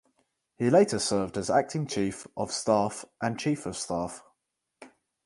He later served as acting chief of staff and chief of staff.